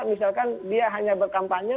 misalkan dia hanya berkampanye